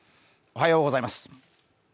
おはようございます。